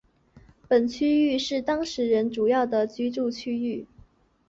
本区域是当时人主要的居住区域。